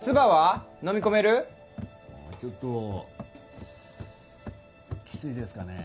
ちょっときついですかね。